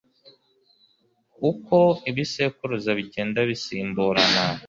uko ibisekuruza bigenda bisimburana